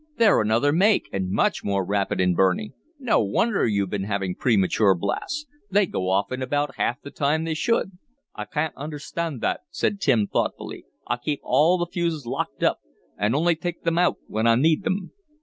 They're another make, and much more rapid in burning. No wonder you've been having premature blasts. They go off in about half the time they should." "I can't understhand thot!" said Tim, thoughtfully. "I keep all the fuses locked up, and only take thim out when I need thim."